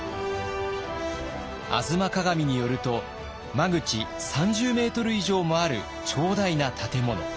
「吾妻鏡」によると間口３０ｍ以上もある長大な建物。